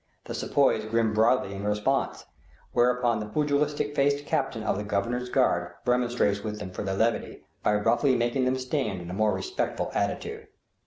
The sepoys grin broadly in response, whereupon the pugilistic faced captain of the Governor's guard remonstrates with them for their levity, by roughly making them stand in a more respectful attitude.